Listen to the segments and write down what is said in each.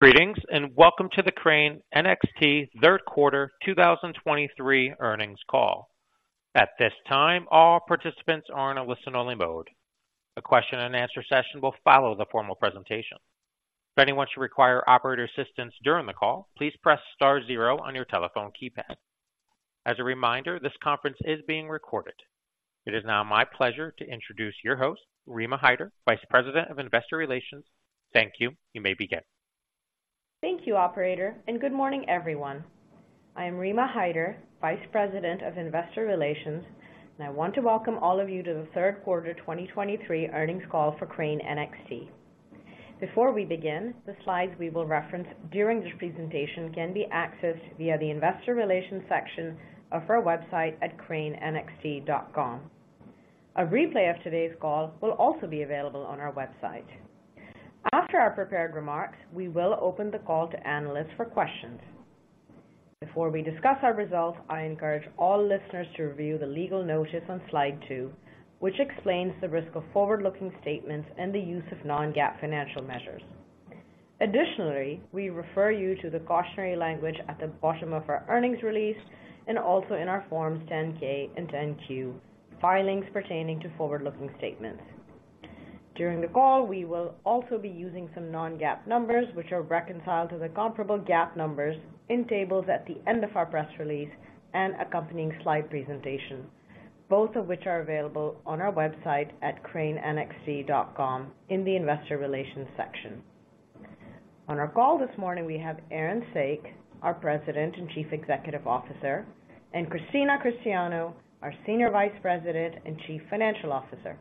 Greetings, and welcome to the Crane NXT third quarter 2023 earnings call. At this time, all participants are in a listen-only mode. A question and answer session will follow the formal presentation. If anyone should require operator assistance during the call, please press star zero on your telephone keypad. As a reminder, this conference is being recorded. It is now my pleasure to introduce your host, Rima Hyder, Vice President, Investor Relations. Thank you. You may begin. Thank you, operator, and good morning, everyone. I am Rima Hyder, Vice President of Investor Relations, and I want to welcome all of you to the third quarter 2023 earnings call for Crane NXT. Before we begin, the slides we will reference during this presentation can be accessed via the Investor Relations section of our website at cranenxt.com. A replay of today's call will also be available on our website. After our prepared remarks, we will open the call to analysts for questions. Before we discuss our results, I encourage all listeners to review the legal notice on slide 2, which explains the risk of forward-looking statements and the use of non-GAAP financial measures. Additionally, we refer you to the cautionary language at the bottom of our earnings release and also in our Forms 10-K and 10-Q filings pertaining to forward-looking statements. During the call, we will also be using some non-GAAP numbers, which are reconciled to the comparable GAAP numbers in tables at the end of our press release and accompanying slide presentation, both of which are available on our website at cranenxt.com in the Investor Relations section. On our call this morning, we have Aaron Saak, our President and Chief Executive Officer, and Christina Cristiano, our Senior Vice President and Chief Financial Officer.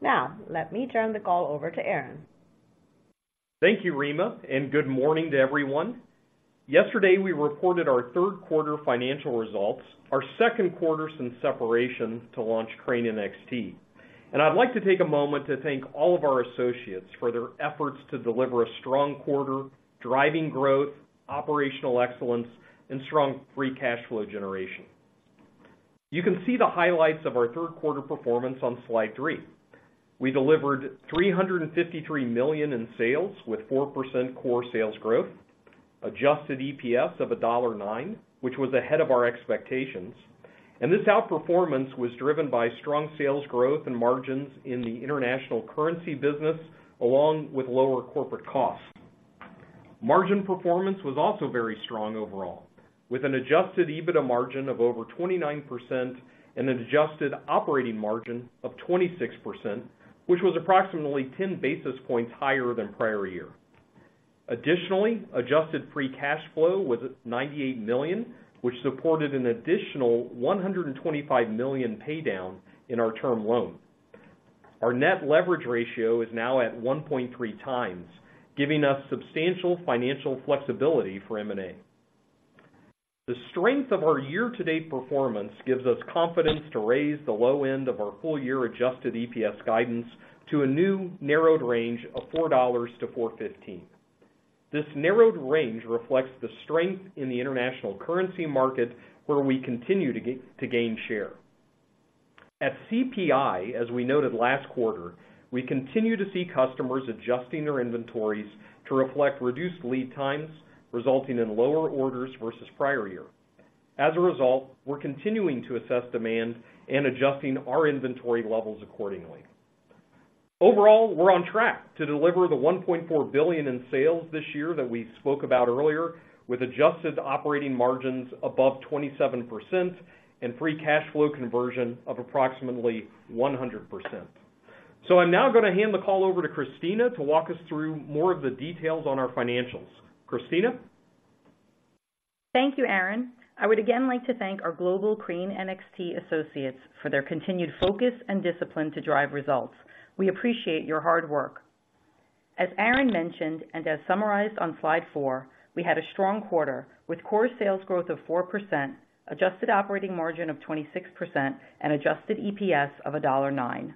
Now, let me turn the call over to Aaron. Thank you, Rima, and good morning to everyone. Yesterday, we reported our third quarter financial results, our second quarter since separation to launch Crane NXT. I'd like to take a moment to thank all of our associates for their efforts to deliver a strong quarter, driving growth, operational excellence, and strong free cash flow generation. You can see the highlights of our third quarter performance on slide 3. We delivered $353 million in sales with 4% core sales growth, adjusted EPS of $1.9, which was ahead of our expectations. This outperformance was driven by strong sales growth and margins in the international currency business, along with lower corporate costs. Margin performance was also very strong overall, with an adjusted EBITDA margin of over 29% and an adjusted operating margin of 26%, which was approximately 10 basis points higher than prior year. Additionally, adjusted free cash flow was at $98 million, which supported an additional $125 million pay down in our term loan. Our net leverage ratio is now at 1.3 times, giving us substantial financial flexibility for M&A. The strength of our year-to-date performance gives us confidence to raise the low end of our full-year adjusted EPS guidance to a new narrowed range of $4-$4.15. This narrowed range reflects the strength in the international currency market, where we continue to gain share. At CPI, as we noted last quarter, we continue to see customers adjusting their inventories to reflect reduced lead times, resulting in lower orders versus prior year. As a result, we're continuing to assess demand and adjusting our inventory levels accordingly. Overall, we're on track to deliver the $1.4 billion in sales this year that we spoke about earlier, with adjusted operating margins above 27% and free cash flow conversion of approximately 100%. So I'm now going to hand the call over to Christina to walk us through more of the details on our financials. Christina? Thank you, Aaron. I would again like to thank our global Crane NXT associates for their continued focus and discipline to drive results. We appreciate your hard work. As Aaron mentioned, and as summarized on slide 4, we had a strong quarter with Core Sales Growth of 4%, adjusted operating margin of 26%, and Adjusted EPS of $1.9.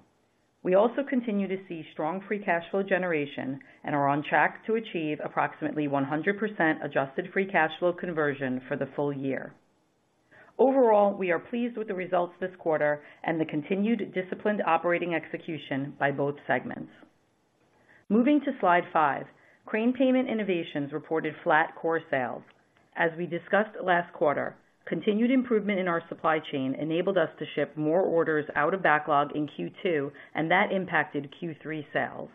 We also continue to see strong free cash flow generation and are on track to achieve approximately 100% Adjusted Free Cash Flow Conversion for the full year. Overall, we are pleased with the results this quarter and the continued disciplined operating execution by both segments. Moving to slide 5, Crane Payment Innovations reported flat core sales. As we discussed last quarter, continued improvement in our supply chain enabled us to ship more orders out of backlog in Q2, and that impacted Q3 sales.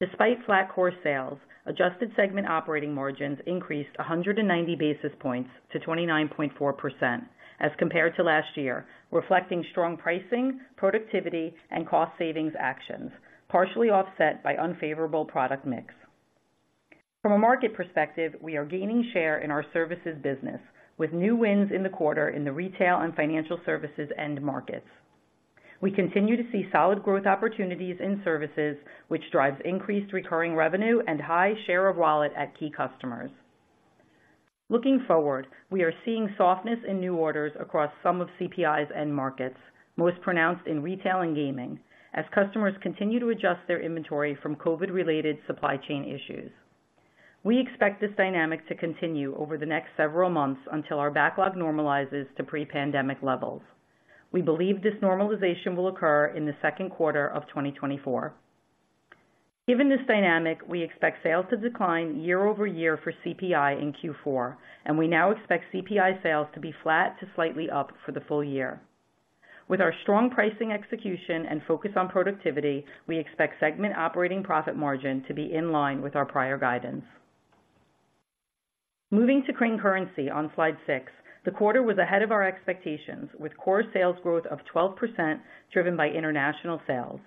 Despite flat core sales, adjusted segment operating margins increased 190 basis points to 29.4% as compared to last year, reflecting strong pricing, productivity, and cost savings actions, partially offset by unfavorable product mix. From a market perspective, we are gaining share in our services business, with new wins in the quarter in the retail and financial services end markets. We continue to see solid growth opportunities in services, which drives increased recurring revenue and high share of wallet at key customers. Looking forward, we are seeing softness in new orders across some of CPI's end markets, most pronounced in retail and gaming, as customers continue to adjust their inventory from COVID-related supply chain issues. We expect this dynamic to continue over the next several months until our backlog normalizes to pre-pandemic levels.... We believe this normalization will occur in the second quarter of 2024. Given this dynamic, we expect sales to decline year-over-year for CPI in Q4, and we now expect CPI sales to be flat to slightly up for the full year. With our strong pricing execution and focus on productivity, we expect segment operating profit margin to be in line with our prior guidance. Moving to Crane Currency on slide 6, the quarter was ahead of our expectations, with core sales growth of 12%, driven by international sales.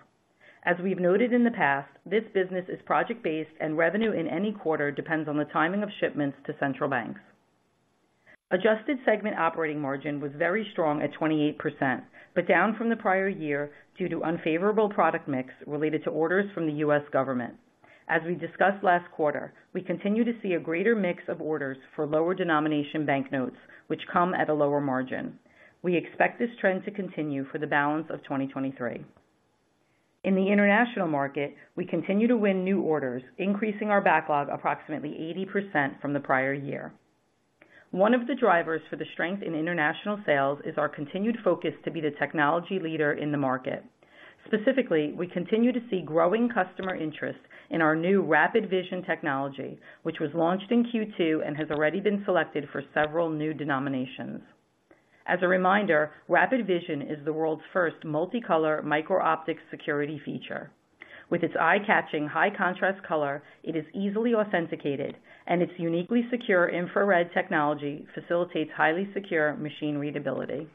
As we've noted in the past, this business is project-based, and revenue in any quarter depends on the timing of shipments to central banks. Adjusted segment operating margin was very strong at 28%, but down from the prior year due to unfavorable product mix related to orders from the U.S. government. As we discussed last quarter, we continue to see a greater mix of orders for lower denomination banknotes, which come at a lower margin. We expect this trend to continue for the balance of 2023. In the international market, we continue to win new orders, increasing our backlog approximately 80% from the prior year. One of the drivers for the strength in international sales is our continued focus to be the technology leader in the market. Specifically, we continue to see growing customer interest in our new RAPID Vision technology, which was launched in Q2 and has already been selected for several new denominations. As a reminder, RAPID Vision is the world's first multicolor micro-optics security feature. With its eye-catching, high-contrast color, it is easily authenticated, and its uniquely secure infrared technology facilitates highly secure machine readability.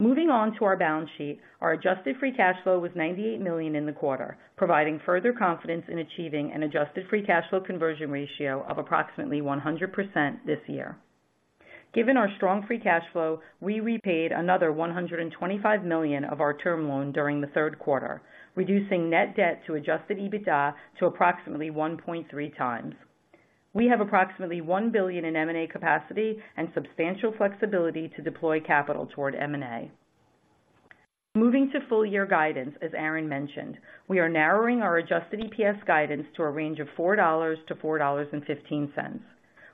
Moving on to our balance sheet. Our Adjusted Free Cash Flow was $98 million in the quarter, providing further confidence in achieving an Adjusted Free Cash Flow conversion ratio of approximately 100% this year. Given our strong free cash flow, we repaid another $125 million of our term loan during the third quarter, reducing net debt to Adjusted EBITDA to approximately 1.3 times. We have approximately $1 billion in M&A capacity and substantial flexibility to deploy capital toward M&A. Moving to full-year guidance, as Aaron mentioned, we are narrowing our Adjusted EPS guidance to a range of $4-$4.15.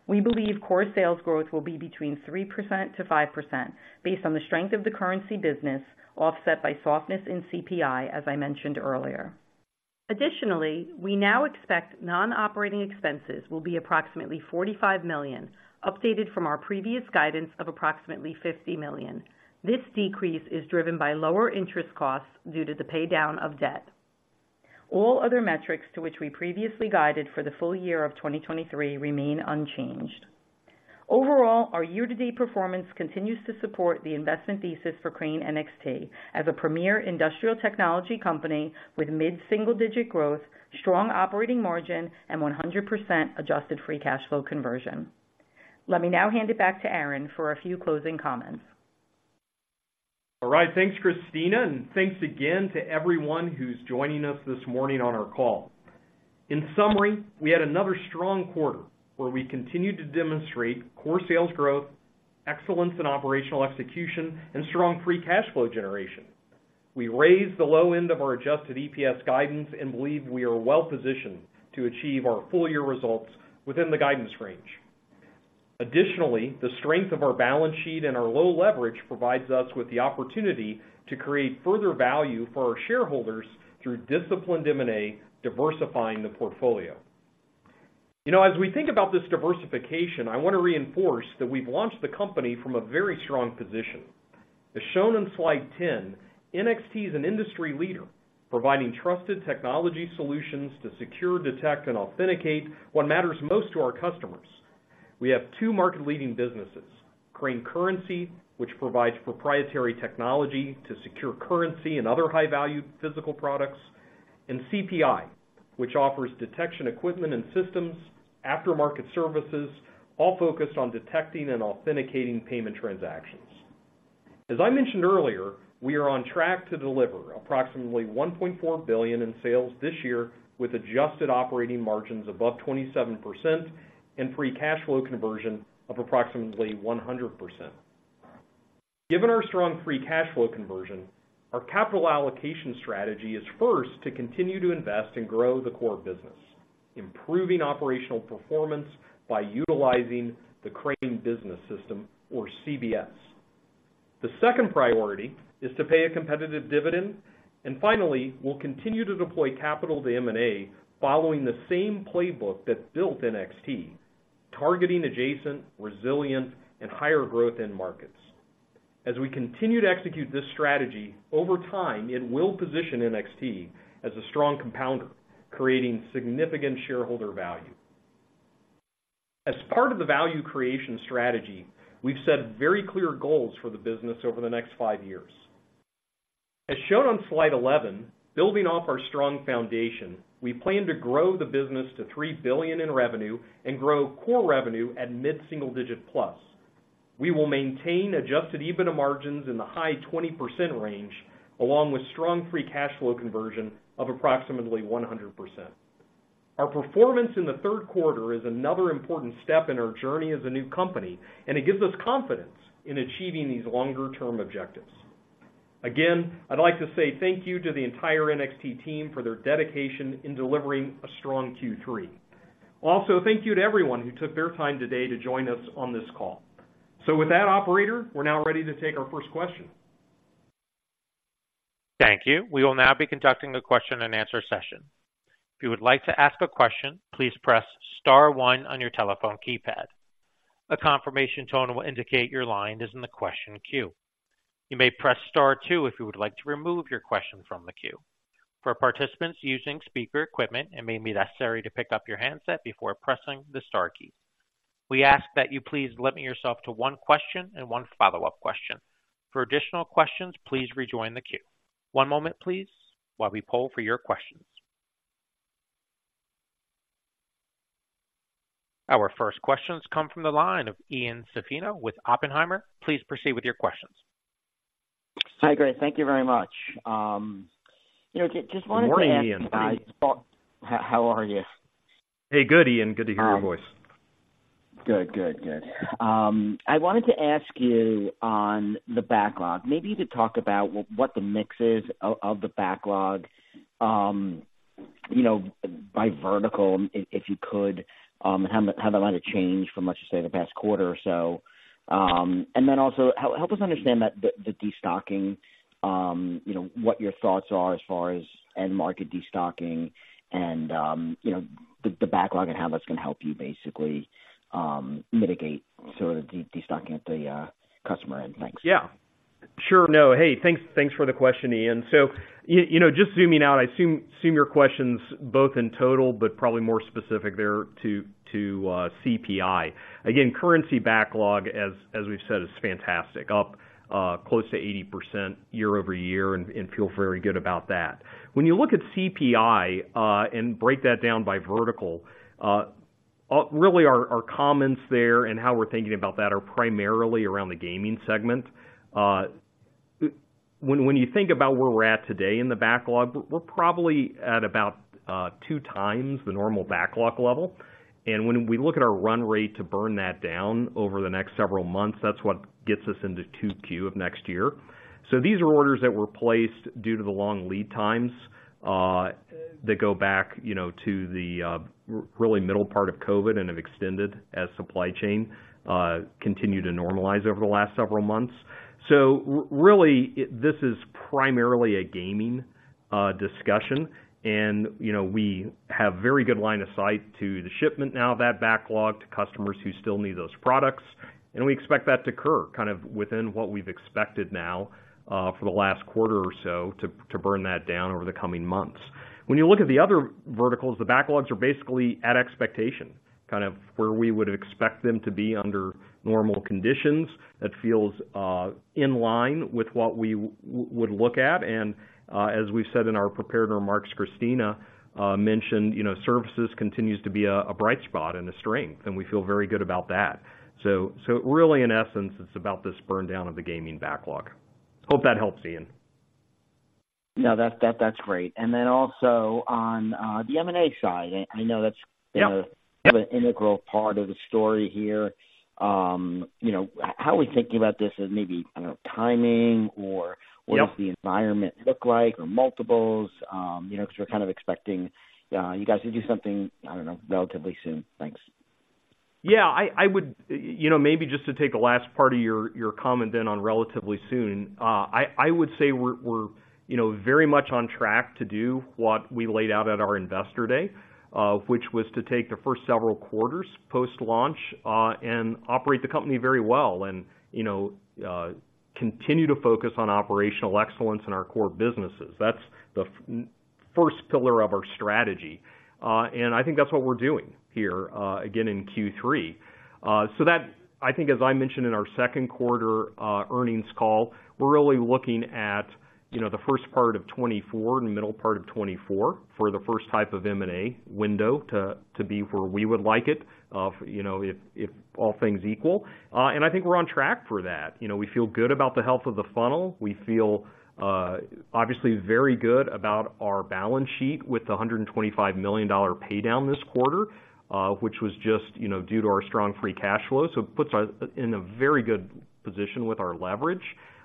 We believe core sales growth will be between 3%-5% based on the strength of the currency business, offset by softness in CPI, as I mentioned earlier. Additionally, we now expect non-operating expenses will be approximately $45 million, updated from our previous guidance of approximately $50 million. This decrease is driven by lower interest costs due to the paydown of debt. All other metrics to which we previously guided for the full year of 2023 remain unchanged. Overall, our year-to-date performance continues to support the investment thesis for Crane NXT as a premier industrial technology company with mid-single-digit growth, strong operating margin, and 100% adjusted free cash flow conversion. Let me now hand it back to Aaron for a few closing comments. All right, thanks, Christina, and thanks again to everyone who's joining us this morning on our call. In summary, we had another strong quarter where we continued to demonstrate core sales growth, excellence in operational execution, and strong free cash flow generation. We raised the low end of our adjusted EPS guidance and believe we are well positioned to achieve our full year results within the guidance range. Additionally, the strength of our balance sheet and our low leverage provides us with the opportunity to create further value for our shareholders through disciplined M&A, diversifying the portfolio. You know, as we think about this diversification, I want to reinforce that we've launched the company from a very strong position. As shown on slide 10, NXT is an industry leader, providing trusted technology solutions to secure, detect, and authenticate what matters most to our customers. We have two market-leading businesses, Crane Currency, which provides proprietary technology to secure currency and other high-value physical products, and CPI, which offers detection equipment and systems, aftermarket services, all focused on detecting and authenticating payment transactions. As I mentioned earlier, we are on track to deliver approximately $1.4 billion in sales this year, with adjusted operating margins above 27% and free cash flow conversion of approximately 100%. Given our strong free cash flow conversion, our capital allocation strategy is first to continue to invest and grow the core business, improving operational performance by utilizing the Crane Business System or CBS. The second priority is to pay a competitive dividend, and finally, we'll continue to deploy capital to M&A following the same playbook that built NXT, targeting adjacent, resilient, and higher growth end markets. As we continue to execute this strategy, over time, it will position NXT as a strong compounder, creating significant shareholder value. As part of the value creation strategy, we've set very clear goals for the business over the next five years. As shown on slide 11, building off our strong foundation, we plan to grow the business to $3 billion in revenue and grow core revenue at mid-single-digit plus. We will maintain Adjusted EBITDA margins in the high 20% range, along with strong Free Cash Flow Conversion of approximately 100%. Our performance in the third quarter is another important step in our journey as a new company, and it gives us confidence in achieving these longer-term objectives. Again, I'd like to say thank you to the entire NXT team for their dedication in delivering a strong Q3. Also, thank you to everyone who took their time today to join us on this call. With that, operator, we're now ready to take our first question. Thank you. We will now be conducting the question-and-answer session. If you would like to ask a question, please press star one on your telephone keypad. A confirmation tone will indicate your line is in the question queue. You may press star two if you would like to remove your question from the queue. For participants using speaker equipment, it may be necessary to pick up your handset before pressing the star key. We ask that you please limit yourself to one question and one follow-up question. For additional questions, please rejoin the queue. One moment, please, while we poll for your questions. Our first questions come from the line of Ian Zaffino with Oppenheimer. Please proceed with your questions. Hi, great. Thank you very much. You know, just wanted to ask- Good morning, Ian. How are you? Hey, good, Ian. Good to hear your voice. Good, good, good. I wanted to ask you on the backlog, maybe to talk about what the mix is of the backlog, you know, by vertical, if you could, and how much, how that might have changed from, let's just say, the past quarter or so. And then also, help us understand that the destocking, you know, what your thoughts are as far as end market destocking and, you know, the backlog and how that's gonna help you basically, mitigate sort of the destocking at the customer end. Thanks. Yeah, sure. No, hey, thanks, thanks for the question, Ian. So, you know, just zooming out, I assume your questions both in total, but probably more specific there to CPI. Again, currency backlog, as we've said, is fantastic, up close to 80% year-over-year, and feel very good about that. When you look at CPI, and break that down by vertical, really our comments there and how we're thinking about that are primarily around the gaming segment. When you think about where we're at today in the backlog, we're probably at about two times the normal backlog level. And when we look at our run rate to burn that down over the next several months, that's what gets us into 2Q of next year. So these are orders that were placed due to the long lead times that go back, you know, to the really middle part of COVID and have extended as supply chain continue to normalize over the last several months. So really, this is primarily a gaming discussion. And, you know, we have very good line of sight to the shipment now of that backlog to customers who still need those products, and we expect that to occur kind of within what we've expected now for the last quarter or so, to burn that down over the coming months. When you look at the other verticals, the backlogs are basically at expectation, kind of where we would expect them to be under normal conditions. That feels in line with what we would look at. As we've said in our prepared remarks, Christina mentioned, you know, services continues to be a bright spot and a strength, and we feel very good about that. So really, in essence, it's about this burn down of the gaming backlog. Hope that helps, Ian. No, that's great. And then also on the M&A side, I know that's- Yeah... an integral part of the story here. You know, how are we thinking about this as maybe, I don't know, timing or- Yeah What does the environment look like or multiples? You know, because we're kind of expecting, you guys to do something, I don't know, relatively soon. Thanks. Yeah, I would, you know, maybe just to take the last part of your comment then on relatively soon. I would say we're, you know, very much on track to do what we laid out at our investor day, which was to take the first several quarters post-launch, and operate the company very well and, you know, continue to focus on operational excellence in our core businesses. That's the first pillar of our strategy, and I think that's what we're doing here, again in Q3. So that... I think as I mentioned in our second quarter earnings call, we're really looking at, you know, the first part of 2024 and the middle part of 2024 for the first type of M&A window to be where we would like it, you know, if all things equal. And I think we're on track for that. You know, we feel good about the health of the funnel. We feel, obviously very good about our balance sheet with the $125 million paydown this quarter, which was just, you know, due to our strong free cash flow. So it puts us in a very good position with our leverage,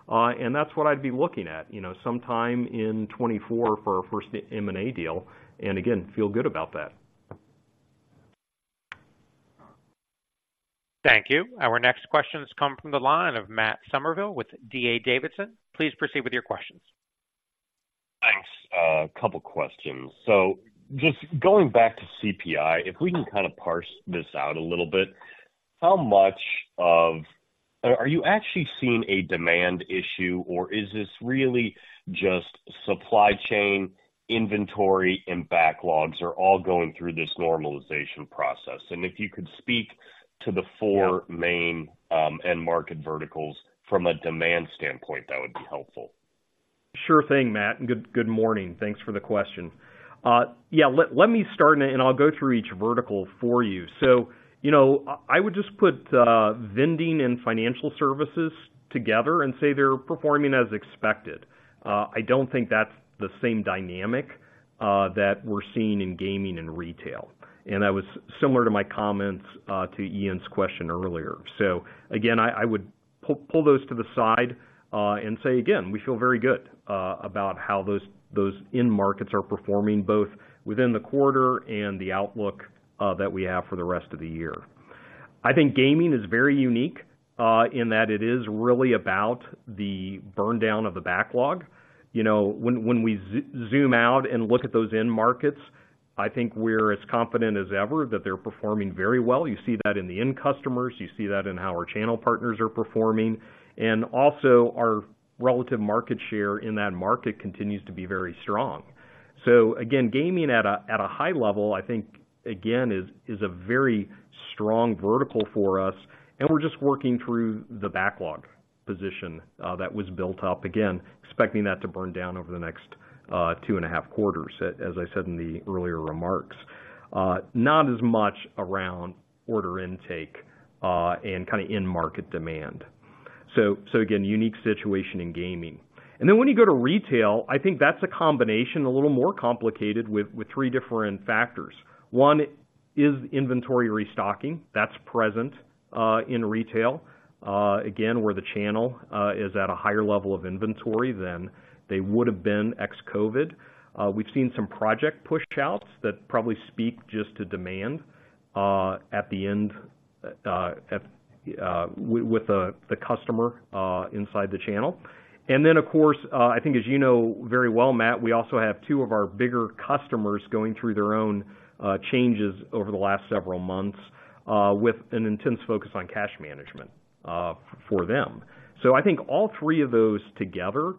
and that's what I'd be looking at, you know, sometime in 2024 for our first M&A deal, and again, feel good about that. Thank you. Our next question has come from the line of Matt Sommerville with D.A. Davidson. Please proceed with your questions. Thanks. A couple questions. So just going back to CPI, if we can kind of parse this out a little bit, how much of... Are you actually seeing a demand issue, or is this really just supply chain inventory and backlogs are all going through this normalization process? And if you could speak to the four main end market verticals from a demand standpoint, that would be helpful. Sure thing, Matt. Good morning. Thanks for the question. Yeah, let me start, and I'll go through each vertical for you. So, you know, I would just put vending and financial services together and say they're performing as expected. I don't think that's the same dynamic that we're seeing in gaming and retail, and that was similar to my comments to Ian's question earlier. So again, I would pull those to the side and say again, we feel very good about how those end markets are performing, both within the quarter and the outlook that we have for the rest of the year. I think gaming is very unique in that it is really about the burn down of the backlog. You know, when we zoom out and look at those end markets, I think we're as confident as ever that they're performing very well. You see that in the end customers, you see that in how our channel partners are performing, and also our relative market share in that market continues to be very strong. So again, gaming at a high level, I think again, is a very strong vertical for us, and we're just working through the backlog position that was built up. Again, expecting that to burn down over the next 2.5 quarters, as I said in the earlier remarks. Not as much around order intake and kinda end-market demand. So again, unique situation in gaming. And then when you go to retail, I think that's a combination, a little more complicated with three different factors. One is inventory restocking. That's present in retail again, where the channel is at a higher level of inventory than they would have been ex-COVID. We've seen some project pushouts that probably speak just to demand at the end with the customer inside the channel. And then, of course, I think as you know very well, Matt, we also have two of our bigger customers going through their own changes over the last several months with an intense focus on cash management for them. So I think all three of those together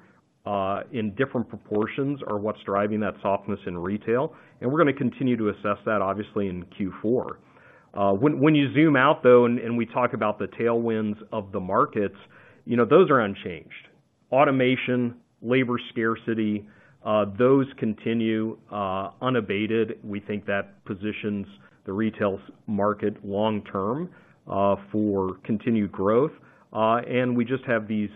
in different proportions are what's driving that softness in retail, and we're gonna continue to assess that, obviously, in Q4. When you zoom out, though, and we talk about the tailwinds of the markets, you know, those are unchanged. Automation, labor scarcity, those continue unabated. We think that positions the retail market long term for continued growth. And we just have these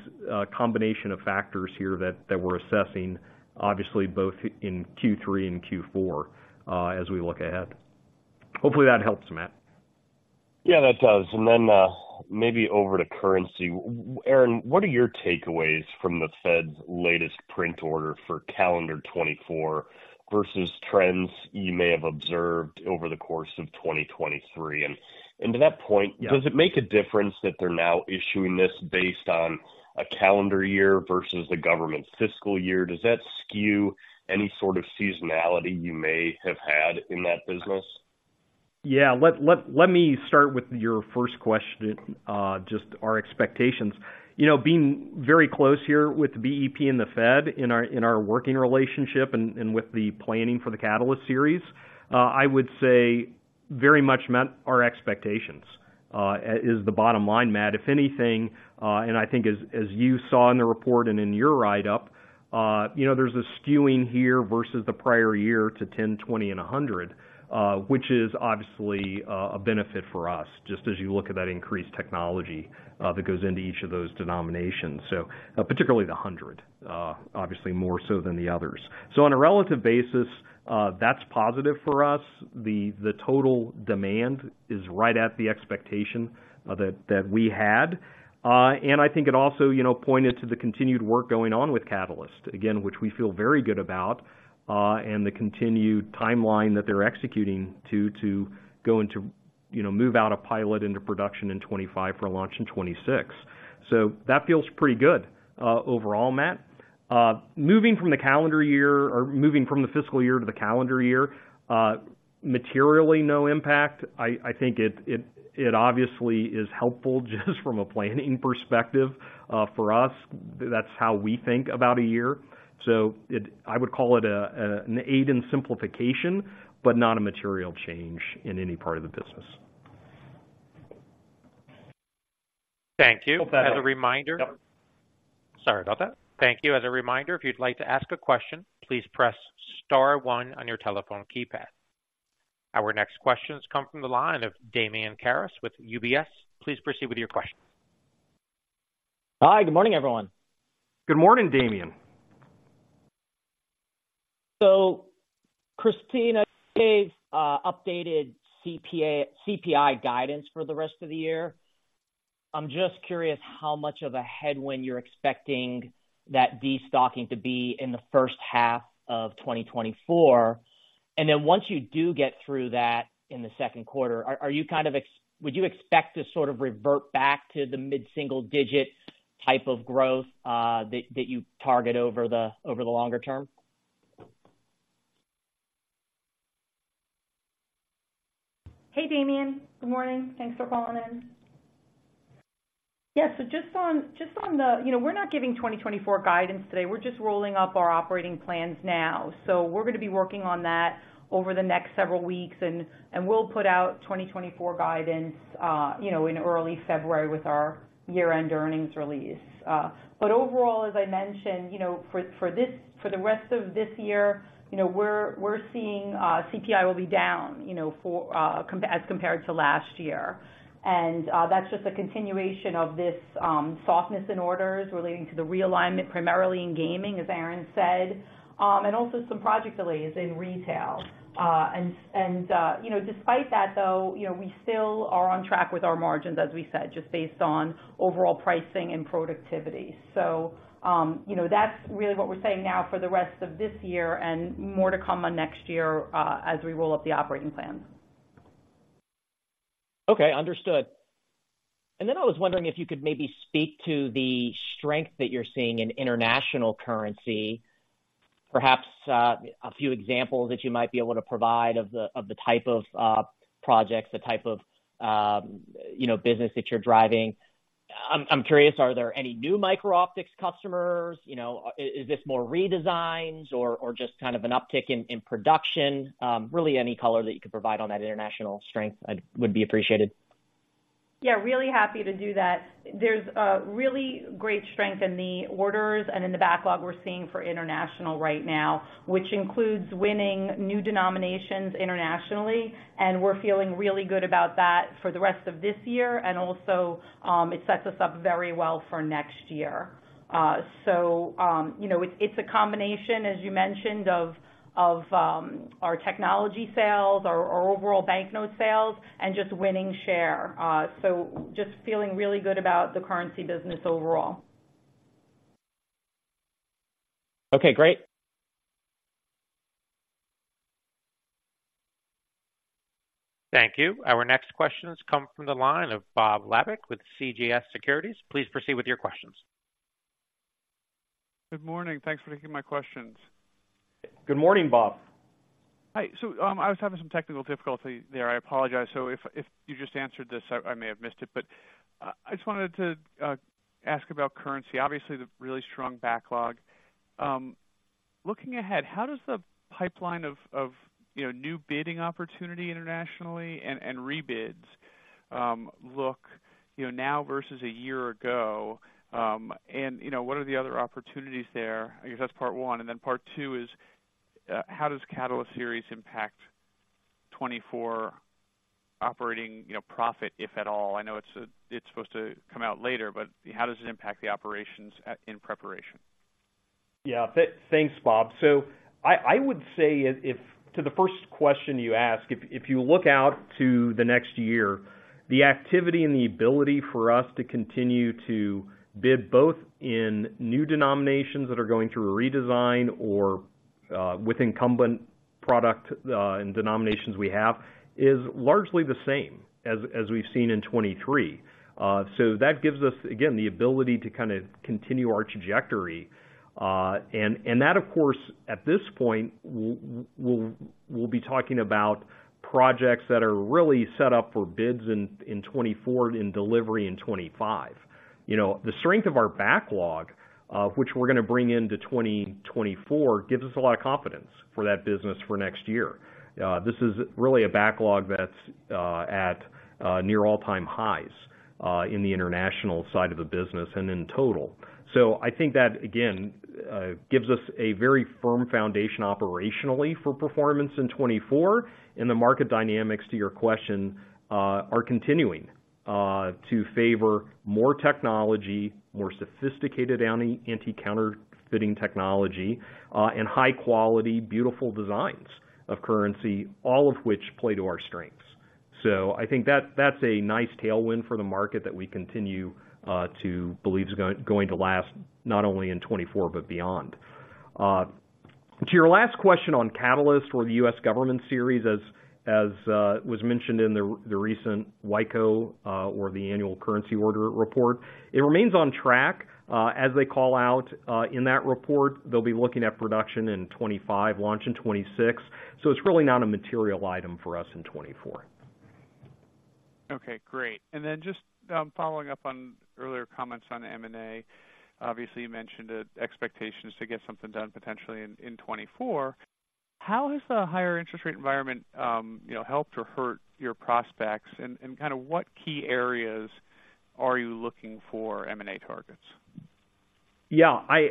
combination of factors here that we're assessing, obviously, both in Q3 and Q4 as we look ahead. Hopefully, that helps, Matt. Yeah, that does. And then, maybe over to currency. Aaron, what are your takeaways from the Fed's latest print order for calendar 2024 versus trends you may have observed over the course of 2023? And to that point- Yeah. Does it make a difference that they're now issuing this based on a calendar year versus the government's fiscal year? Does that skew any sort of seasonality you may have had in that business? Yeah. Let me start with your first question, just our expectations. You know, being very close here with the BEP and the Fed in our working relationship and with the planning for the Catalyst Series, I would say very much met our expectations, is the bottom line, Matt. If anything, and I think as you saw in the report and in your write-up, you know, there's a skewing here versus the prior year to 10, 20, and 100, which is obviously a benefit for us, just as you look at that increased technology that goes into each of those denominations. So particularly the 100, obviously more so than the others. So on a relative basis, that's positive for us. The total demand is right at the expectation that we had. And I think it also, you know, pointed to the continued work going on with Catalyst, again, which we feel very good about, and the continued timeline that they're executing to go into—you know, move out a pilot into production in 2025 for launch in 2026. So that feels pretty good, overall, Matt. Moving from the calendar year or moving from the fiscal year to the calendar year, materially, no impact. I think it obviously is helpful just from a planning perspective, for us. That's how we think about a year. So it—I would call it an aid in simplification, but not a material change in any part of the business. Thank you. Hope that- As a reminder- Yep. Sorry about that. Thank you. As a reminder, if you'd like to ask a question, please press star one on your telephone keypad. Our next question comes from the line of Damian Karas with UBS. Please proceed with your question. Hi, good morning, everyone. Good morning, Damian. So Christina gave updated CPI guidance for the rest of the year. I'm just curious how much of a headwind you're expecting that destocking to be in the first half of 2024. And then once you do get through that in the second quarter, would you expect to sort of revert back to the mid-single digit type of growth that you target over the longer term? Hey, Damian. Good morning. Thanks for calling in. Yeah, so just on the... You know, we're not giving 2024 guidance today. We're just rolling up our operating plans now. So we're gonna be working on that over the next several weeks, and we'll put out 2024 guidance, you know, in early February with our year-end earnings release. But overall, as I mentioned, you know, for the rest of this year, you know, we're seeing CPI will be down, you know, as compared to last year. And that's just a continuation of this softness in orders relating to the realignment, primarily in gaming, as Aaron said, and also some project delays in retail. You know, despite that, though, you know, we still are on track with our margins, as we said, just based on overall pricing and productivity. So, you know, that's really what we're saying now for the rest of this year and more to come on next year, as we roll up the operating plan.... Okay, understood. And then I was wondering if you could maybe speak to the strength that you're seeing in international currency. Perhaps a few examples that you might be able to provide of the type of projects, the type of business that you're driving. I'm curious, are there any new micro-optics customers? You know, is this more redesigns or just kind of an uptick in production? Really, any color that you could provide on that international strength would be appreciated. Yeah, really happy to do that. There's a really great strength in the orders and in the backlog we're seeing for international right now, which includes winning new denominations internationally, and we're feeling really good about that for the rest of this year and also, it sets us up very well for next year. So, you know, it's a combination, as you mentioned, of our technology sales, our overall banknote sales, and just winning share. So just feeling really good about the currency business overall. Okay, great. Thank you. Our next question has come from the line of Bob Labick with CJS Securities. Please proceed with your questions. Good morning. Thanks for taking my questions. Good morning, Bob. Hi. So, I was having some technical difficulty there. I apologize. So if you just answered this, I may have missed it, but I just wanted to ask about currency. Obviously, the really strong backlog. Looking ahead, how does the pipeline of, you know, new bidding opportunity internationally and rebids look, you know, now versus a year ago? And, you know, what are the other opportunities there? I guess that's part one, and then part two is, how does Catalyst Series impact 2024 operating, you know, profit, if at all? I know it's, it's supposed to come out later, but how does it impact the operations in preparation? Yeah, thanks, Bob. So I would say to the first question you asked, if you look out to the next year, the activity and the ability for us to continue to bid both in new denominations that are going through a redesign or with incumbent product and denominations we have, is largely the same as we've seen in 2023. So that gives us, again, the ability to kind of continue our trajectory. And that, of course, at this point, we'll be talking about projects that are really set up for bids in 2024 and delivery in 2025. You know, the strength of our backlog, which we're going to bring into 2024, gives us a lot of confidence for that business for next year. This is really a backlog that's at near all-time highs in the international side of the business and in total. So I think that, again, gives us a very firm foundation operationally for performance in 2024. And the market dynamics, to your question, are continuing to favor more technology, more sophisticated anti-counterfeiting technology, and high-quality, beautiful designs of currency, all of which play to our strengths. So I think that's a nice tailwind for the market that we continue to believe is going to last not only in 2024, but beyond. To your last question on Catalyst or the U.S. Government Series, as was mentioned in the recent YCO or the Annual Currency Order Report, it remains on track. As they call out, in that report, they'll be looking at production in 2025, launch in 2026. So it's really not a material item for us in 2024. Okay, great. And then just following up on earlier comments on M&A. Obviously, you mentioned expectations to get something done potentially in 2024. How has the higher interest rate environment, you know, helped or hurt your prospects? And kind of what key areas are you looking for M&A targets? Yeah, I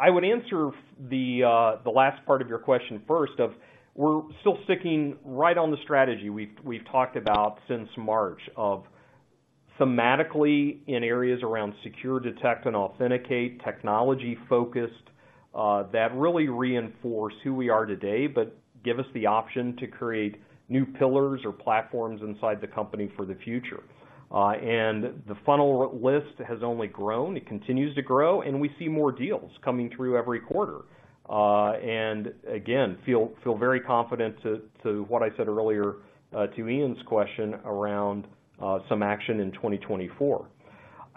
would answer the last part of your question first, that we're still sticking right on the strategy we've talked about since March, thematically in areas around secure, detect, and authenticate, technology-focused, that really reinforce who we are today, but give us the option to create new pillars or platforms inside the company for the future. And the funnel list has only grown. It continues to grow, and we see more deals coming through every quarter. And again, feel very confident to what I said earlier to Ian's question around some action in 2024.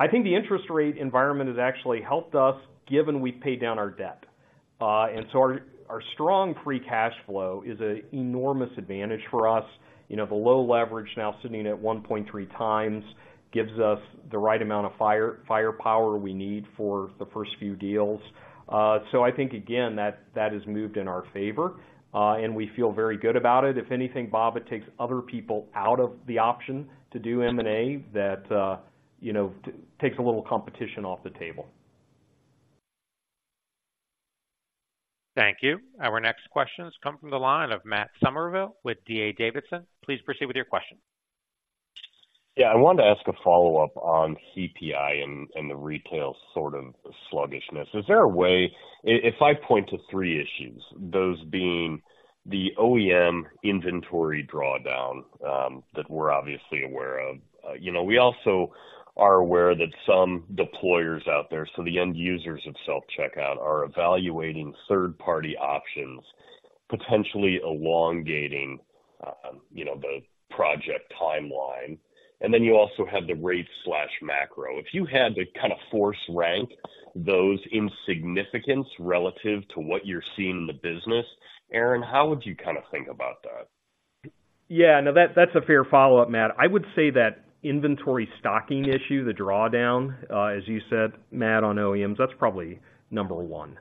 I think the interest rate environment has actually helped us, given we've paid down our debt. And so our strong free cash flow is an enormous advantage for us. You know, the low leverage now sitting at 1.3 times gives us the right amount of firepower we need for the first few deals. So I think, again, that has moved in our favor, and we feel very good about it. If anything, Bob, it takes other people out of the option to do M&A that, you know, takes a little competition off the table. Thank you. Our next question has come from the line of Matt Summerville with D.A. Davidson. Please proceed with your question. Yeah, I wanted to ask a follow-up on CPI and the retail sort of sluggishness. Is there a way... If I point to three issues, those being the OEM inventory drawdown that we're obviously aware of. You know, we also are aware that some deployers out there, so the end users of self-checkout, are evaluating third-party options, potentially elongating-... you know, the project timeline, and then you also have the rate/macro. If you had to kind of force rank those in significance relative to what you're seeing in the business, Aaron, how would you kind of think about that? Yeah, no, that, that's a fair follow-up, Matt. I would say that inventory stocking issue, the drawdown, as you said, Matt, on OEMs, that's probably number one,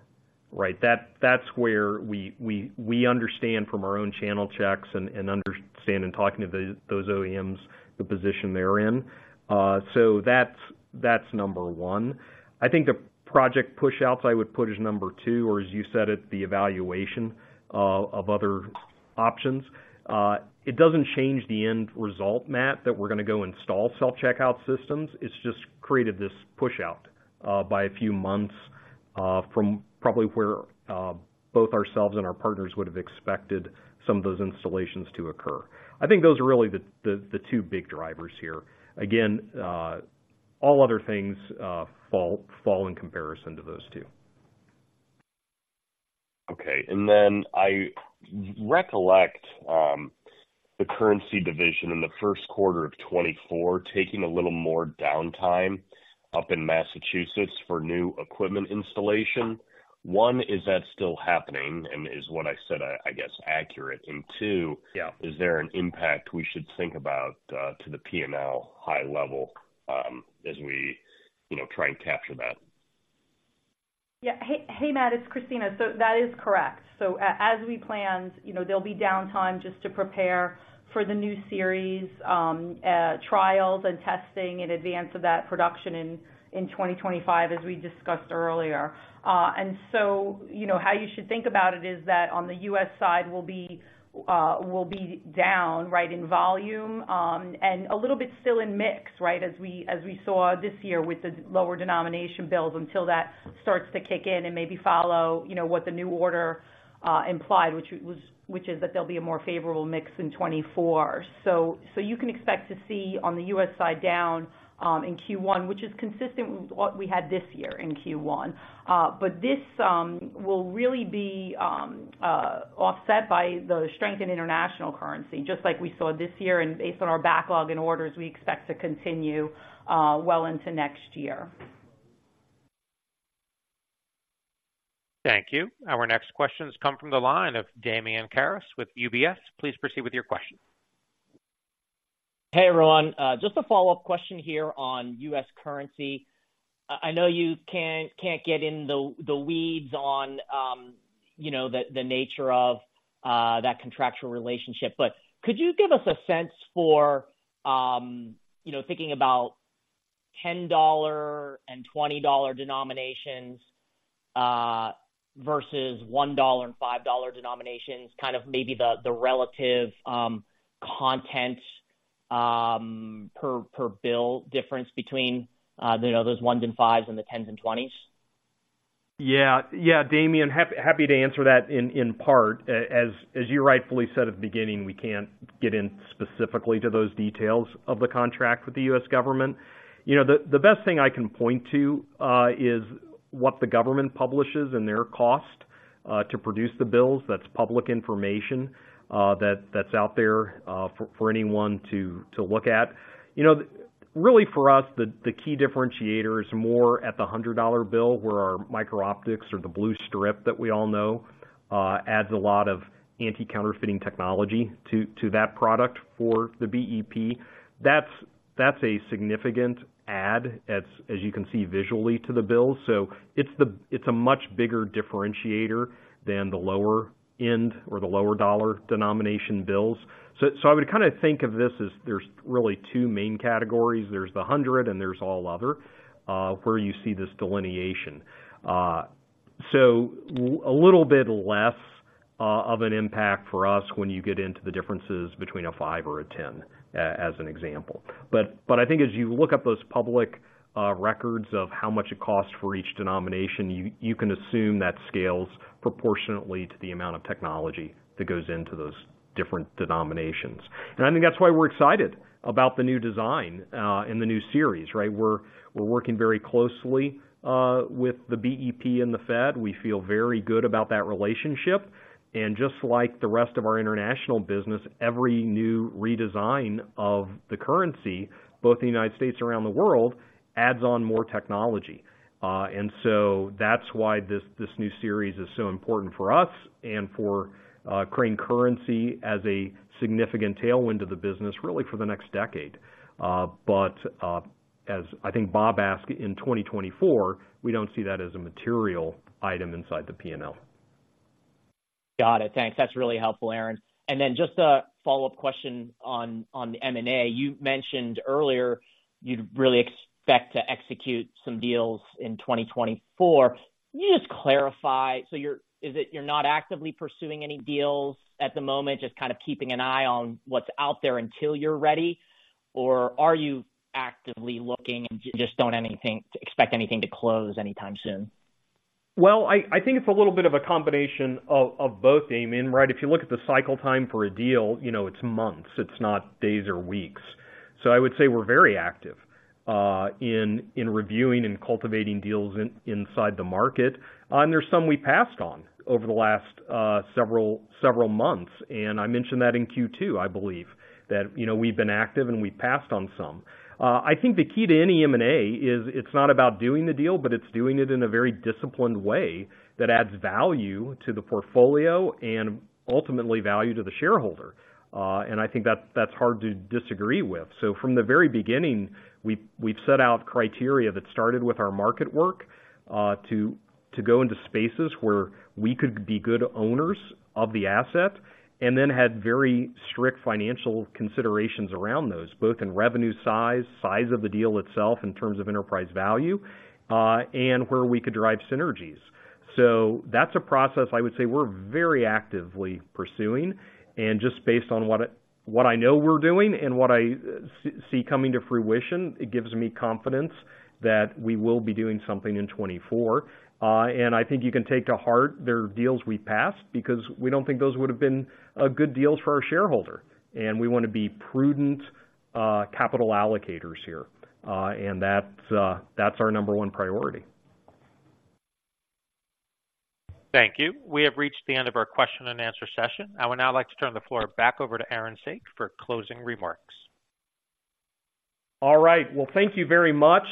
right? That's where we understand from our own channel checks and understand in talking to those OEMs, the position they're in. So that's number one. I think the project pushouts, I would put as number two, or as you said, it, the evaluation of other options. It doesn't change the end result, Matt, that we're going to go install self-checkout systems. It's just created this pushout by a few months from probably where both ourselves and our partners would have expected some of those installations to occur. I think those are really the two big drivers here. Again, all other things fall in comparison to those two. Okay. And then I recollect, the currency division in the first quarter of 2024 taking a little more downtime up in Massachusetts for new equipment installation. One, is that still happening? And is what I said, I guess, accurate? And two- Yeah. Is there an impact we should think about to the P&L high level, as we, you know, try and capture that? Yeah. Hey, hey, Matt, it's Christina. So that is correct. So as we planned, you know, there'll be downtime just to prepare for the new series, trials and testing in advance of that production in 2025, as we discussed earlier. And so, you know, how you should think about it is that on the U.S. side, we'll be down, right, in volume, and a little bit still in mix, right? As we saw this year with the lower denomination bills, until that starts to kick in and maybe follow, you know, what the new order implied, which was, which is that there'll be a more favorable mix in 2024. So you can expect to see on the U.S. side down in Q1, which is consistent with what we had this year in Q1. But this will really be offset by the strength in international currency, just like we saw this year. And based on our backlog and orders, we expect to continue well into next year. Thank you. Our next questions come from the line of Damian Karas with UBS. Please proceed with your question. Hey, everyone. Just a follow-up question here on U.S. currency. I know you can't get in the weeds on, you know, the nature of that contractual relationship, but could you give us a sense for, you know, thinking about $10 and $20 denominations versus $1 and $5 denominations, kind of maybe the relative content per bill difference between, you know, those ones and fives and the tens and twenties? Yeah. Yeah, Damian, happy to answer that in part. As you rightfully said at the beginning, we can't get in specifically to those details of the contract with the U.S. government. You know, the best thing I can point to is what the government publishes and their cost to produce the bills. That's public information that's out there for anyone to look at. You know, really, for us, the key differentiator is more at the $100 bill, where our micro-optics or the blue strip that we all know adds a lot of anti-counterfeiting technology to that product for the BEP. That's a significant add, as you can see visually to the bill. So it's the - it's a much bigger differentiator than the lower end or the lower dollar denomination bills. So, so I would kind of think of this as there's really two main categories: there's the hundred, and there's all other, where you see this delineation. So a little bit less of an impact for us when you get into the differences between a five or a ten, as an example. But, but I think as you look up those public records of how much it costs for each denomination, you, you can assume that scales proportionately to the amount of technology that goes into those different denominations. And I think that's why we're excited about the new design, and the new series, right? We're, we're working very closely with the BEP and the Fed. We feel very good about that relationship. Just like the rest of our international business, every new redesign of the currency, both in the United States and around the world, adds on more technology. And so that's why this, this new series is so important for us and for Crane Currency as a significant tailwind to the business, really, for the next decade. But as I think Bob asked, in 2024, we don't see that as a material item inside the P&L. Got it. Thanks. That's really helpful, Aaron. And then just a follow-up question on M&A. You mentioned earlier you'd really expect to execute some deals in 2024. Can you just clarify? So you're not actively pursuing any deals at the moment, just kind of keeping an eye on what's out there until you're ready? Or are you actively looking and just don't expect anything to close anytime soon? Well, I, I think it's a little bit of a combination of, of both, Damian, right? If you look at the cycle time for a deal, you know, it's months, it's not days or weeks. So I would say we're very active in reviewing and cultivating deals inside the market. And there's some we passed on over the last several months, and I mentioned that in Q2, I believe, that, you know, we've been active, and we've passed on some. I think the key to any M&A is it's not about doing the deal, but it's doing it in a very disciplined way that adds value to the portfolio and ultimately value to the shareholder. And I think that's hard to disagree with. From the very beginning, we've set out criteria that started with our market work to go into spaces where we could be good owners of the asset and then had very strict financial considerations around those, both in revenue size, size of the deal itself in terms of enterprise value, and where we could drive synergies. So that's a process I would say we're very actively pursuing. And just based on what I know we're doing and what I see coming to fruition, it gives me confidence that we will be doing something in 2024. And I think you can take to heart there are deals we passed, because we don't think those would have been good deals for our shareholder, and we wanna be prudent capital allocators here. And that's our number one priority. Thank you. We have reached the end of our question and answer session. I would now like to turn the floor back over to Aaron Saak for closing remarks. All right. Well, thank you very much.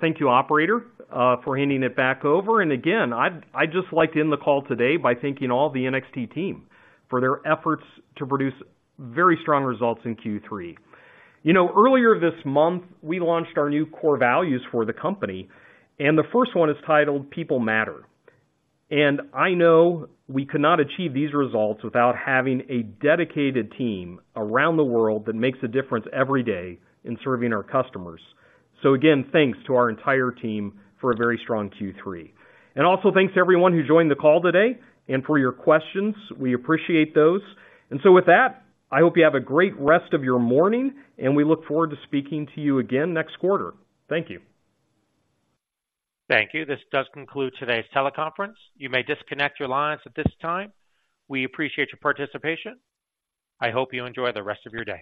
Thank you, operator, for handing it back over. And again, I'd just like to end the call today by thanking all the NXT team for their efforts to produce very strong results in Q3. You know, earlier this month, we launched our new core values for the company, and the first one is titled People Matter. And I know we could not achieve these results without having a dedicated team around the world that makes a difference every day in serving our customers. So again, thanks to our entire team for a very strong Q3. And also, thanks to everyone who joined the call today and for your questions. We appreciate those. And so with that, I hope you have a great rest of your morning, and we look forward to speaking to you again next quarter. Thank you. Thank you. This does conclude today's teleconference. You may disconnect your lines at this time. We appreciate your participation. I hope you enjoy the rest of your day.